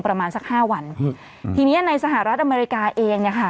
ประมาณสักห้าวันอืมทีเนี้ยในสหรัฐอเมริกาเองเนี่ยค่ะ